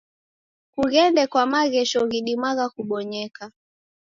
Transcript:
Kughende kwa maghesho ghidimagha kubonyeka.